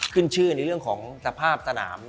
ขึ้นชื่อในเรื่องของสภาพสนาม